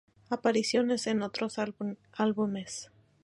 Apariciones en otros álbumes